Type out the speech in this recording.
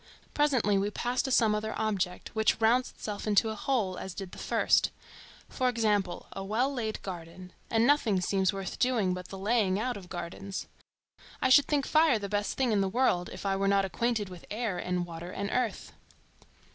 Presently we pass to some other object, which rounds itself into a whole as did the first; for example a well laid garden; and nothing seems worth doing but the laying out of gardens. I should think fire the best thing in the world, if I were not acquainted with air, and water, and earth.